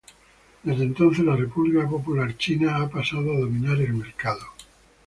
Desde entonces, la República Popular China ha pasado a dominar el mercado.